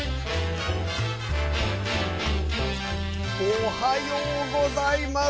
おはようございます！